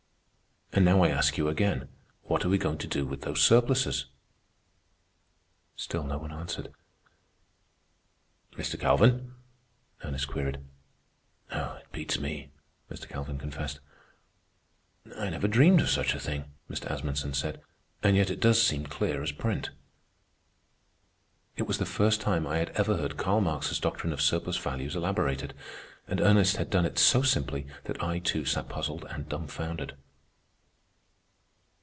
And now I ask you again, what are we going to do with those surpluses?" Still no one answered. "Mr. Calvin?" Ernest queried. "It beats me," Mr. Calvin confessed. "I never dreamed of such a thing," Mr. Asmunsen said. "And yet it does seem clear as print." It was the first time I had ever heard Karl Marx's doctrine of surplus value elaborated, and Ernest had done it so simply that I, too, sat puzzled and dumbfounded.